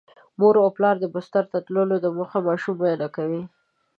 مور او پلار د بستر ته تللو دمخه ماشوم معاینه کوي.